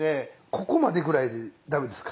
ここまでぐらいでダメですか？